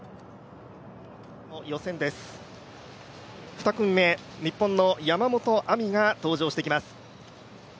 ２組目、日本の山本亜美が登場してきます。